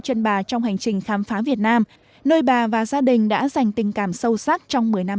chân bà trong hành trình khám phá việt nam nơi bà và gia đình đã dành tình cảm sâu sắc trong một mươi năm